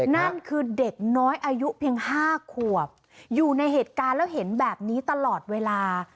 นั่นคือเด็กน้อยอายุเพียง๕ขวบอยู่ในเหตุการณ์แล้วเห็นแบบนี้ตลอดเวลา